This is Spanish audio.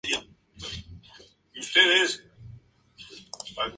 No podía ser menos.